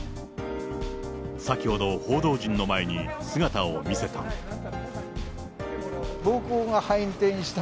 先ほど報道陣の前に姿を見せた。